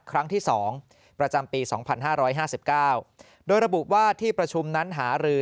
ครั้งที่๒ประจำปี๒๕๕๙โดยระบุว่าที่ประชุมนั้นหารือ